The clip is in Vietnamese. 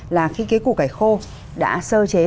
là khi cái củ cải khô đã sơ chế